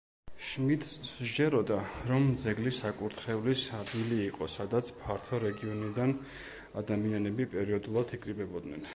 შმიდტს სჯეროდა, რომ ძეგლი საკურთხევლის ადგილი იყო, სადაც ფართო რეგიონიდან ადამიანები პერიოდულად იკრიბებოდნენ.